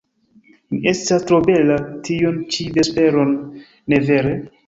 Mi estas tro bela tiun ĉi vesperon, ne vere?